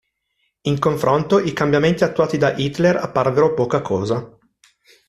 In confronto, i cambiamenti attuati da Hitler apparvero poca cosa.